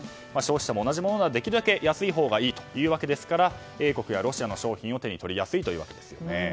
消費者も同じものならできるだけ安いほうがいいわけですからＡ国がロシアの商品を手に取りやすいというわけですね。